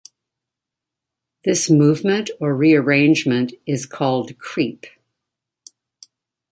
This movement or rearrangement is called creep.